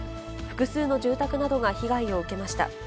複数の住宅などが被害を受けました。